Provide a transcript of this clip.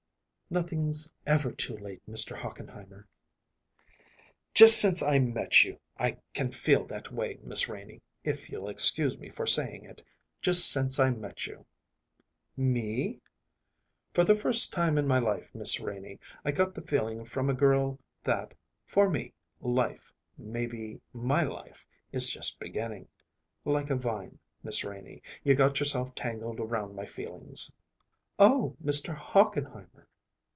"Nothing's ever too late, Mr. Hochenheimer." "Just since I met you I can feel that way, Miss Renie, if you'll excuse me for saying it just since I met you." "Me?" "For the first time in my life, Miss Renie, I got the feeling from a girl that, for me, life maybe my life is just beginning. Like a vine, Miss Renie, you got yourself tangled round my feelings." "Oh, Mr. Hochenheimer!"